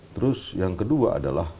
terus yang kedua adalah